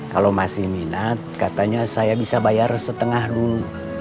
kalau masih minat katanya saya bisa bayar setengah dulu